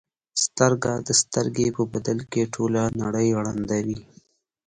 سترګه د سترګې په بدل کې ټوله نړۍ ړندوي.